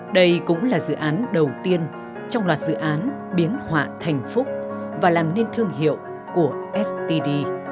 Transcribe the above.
đây cũng là dự án đầu tiên trong loạt dự án biến họa thành phúc và làm nên thương hiệu của std